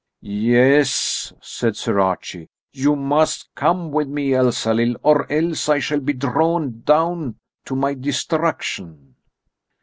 "Yes," said Sir Archie, "you must come with me, Elsalill, or else I shall be drawn down to my destruction."